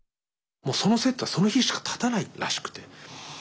そのセットはその日しか立たないらしくて。